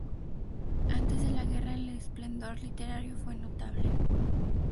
Antes de la guerra, el esplendor literario fue notable.